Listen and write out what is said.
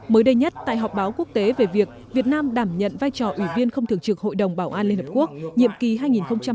mới đây nhất tại họp báo quốc tế về việc việt nam đảm nhận vai trò ủy viên không thường trực hội đồng bảo an liên hợp quốc nhiệm kỳ hai nghìn hai mươi hai nghìn hai mươi một